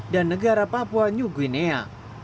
dan negara papua new guinea